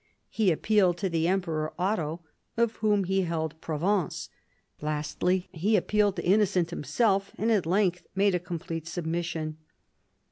He appealed to the Emperor Otto, of whom he held Provence. Lastly, he appealed to Innocent himself, and at length made a complete submission.